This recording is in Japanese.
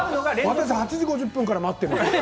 ８時５０分から待っている。